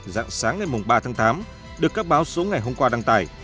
dạng sáng ngày ba tháng tám được các báo số ngày hôm qua đăng tải